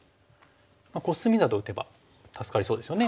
コスミなど打てば助かりそうですよね。